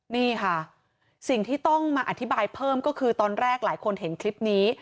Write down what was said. นี่ค่ะสิ่งที่ต้องมาอธิบายเพิ่มก็คือตอนแรกหลายคนเห็นคลิปนี้